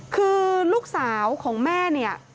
คือลูกสาวของแม่เนี่ย